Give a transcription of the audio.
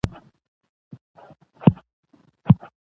ژورې سرچینې د افغانستان د ملي هویت نښه ده.